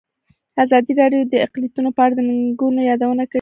ازادي راډیو د اقلیتونه په اړه د ننګونو یادونه کړې.